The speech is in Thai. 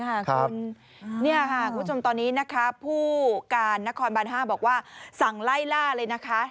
คุณผู้ชมตอนนี้นะคะผู้การนครบาน๕บอกว่าสั่งไล่ล่าเลยนะคะ